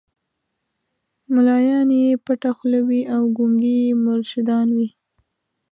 مُلایان یې پټه خوله وي او ګونګي یې مرشدان وي